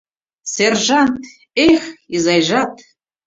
«Сержант, эх, изайжат!..